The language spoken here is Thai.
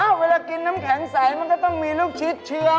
เวลากินน้ำแข็งใสมันก็ต้องมีลูกชิ้นเชื้อ